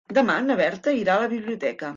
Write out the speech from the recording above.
Demà na Berta irà a la biblioteca.